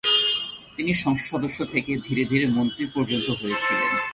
তিনি সংসদ সদস্য থেকে ধীরে ধীরে মন্ত্রী পর্যন্ত হয়েছিলেন।